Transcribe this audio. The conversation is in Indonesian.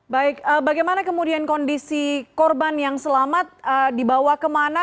baik bagaimana kemudian kondisi korban yang selamat dibawa kemana